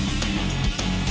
terima kasih chandra